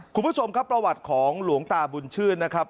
คุณผู้ชมครับประวัติของหลวงตาบุญชื่นนะครับ